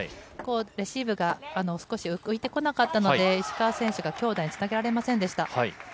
レシーブが、少し浮いてこなかったので石川選手が強打につなげられませんでした。